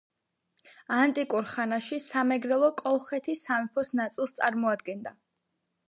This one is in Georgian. ანტიკურ ხანაში სამეგრელო კოლხეთის სამეფოს ნაწილს წარმოადგენდა